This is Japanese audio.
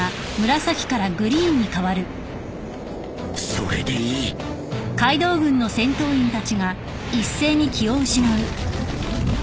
それでいいんっ！？